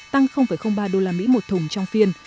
tăng ba đô la mỹ một thùng trong phiên